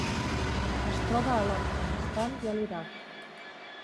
Es troba a l'Afganistan i a l'Iraq.